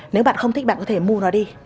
nếu bạn không thích bạn có thể mua nó đi